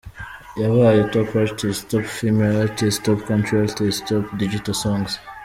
yabaye Top Artist, Top Female Artist, Top County Artist, Top Digital Songs.